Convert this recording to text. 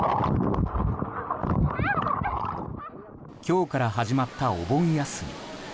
今日から始まったお盆休み。